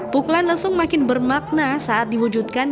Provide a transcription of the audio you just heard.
pukulan lesung makin bermakna saat diwujudkan